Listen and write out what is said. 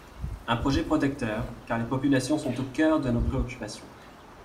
Un projet protecteur, car les populations sont au cœur de nos préoccupations.